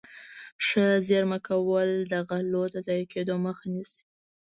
ښه زيرمه کول د غلو د ضايع کېدو مخه نيسي.